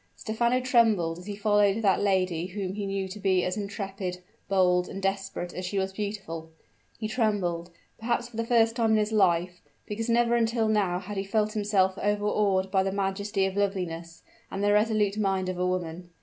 Stephano trembled as he followed that lady whom he knew to be as intrepid, bold, and desperate as she was beautiful: he trembled, perhaps for the first time in his life, because never until now had he felt himself overawed by the majesty of loveliness and the resolute mind of a woman.